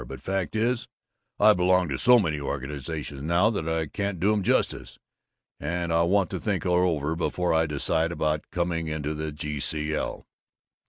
But fact is, I belong to so many organizations now that I can't do 'em justice, and I want to think it over before I decide about coming into the G.C.L."